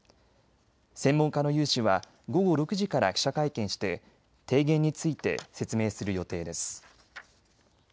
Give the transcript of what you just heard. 専門家の有志は午後６時から記者会見して提言について説明する予定です。